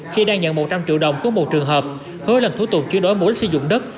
khi đang nhận một trăm linh triệu đồng có một trường hợp hứa lần thủ tục chuyên đối mối đích sử dụng đất